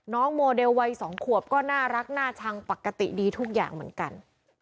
โมเดลวัย๒ขวบก็น่ารักน่าชังปกติดีทุกอย่างเหมือนกัน